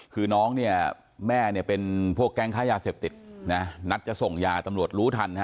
คือน้องแม่เป็นพวกแก๊งค้ายาเสพติดนัดจะส่งยาตำรวจรู้ทัน